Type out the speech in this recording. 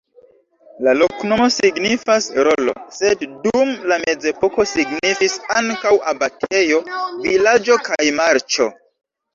La loknomo signifas: rolo, sed dum la mezepoko signifis ankaŭ abatejo, vilaĝo kaj marĉo.